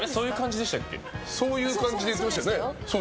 そういう感じで言っていましたよね。